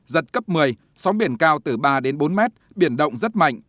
giật cấp một mươi sóng biển cao từ ba bốn m biển động rất mạnh